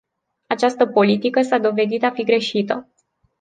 Această politică s-a dovedit a fi greșită.